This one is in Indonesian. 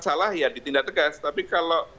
salah ya ditindak tegas tapi kalau